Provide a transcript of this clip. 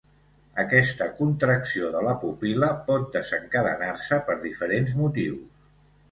Aquesta contracció de la pupil·la pot desencadenar-se per diferents motius.